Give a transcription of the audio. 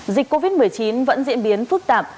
dịch covid một mươi chín vẫn diễn biến phức tạp